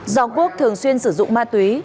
do quốc thường xuyên sử dụng ma túy